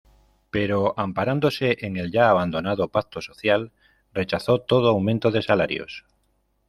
Pero, amparándose en el ya abandonado Pacto Social, rechazó todo aumento de salarios.